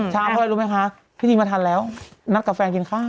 ถามครับพี่จิ๊มมาทันแล้วนัดกับแฟนกินข้าว